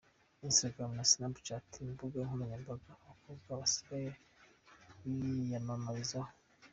Instagram na Snapchat imbuga nkoranyambaga abakobwa basigaye biyamamarizaho.